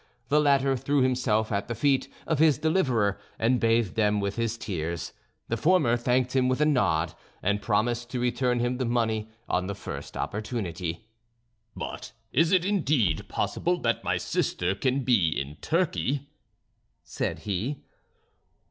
The latter threw himself at the feet of his deliverer, and bathed them with his tears; the former thanked him with a nod, and promised to return him the money on the first opportunity. "But is it indeed possible that my sister can be in Turkey?" said he.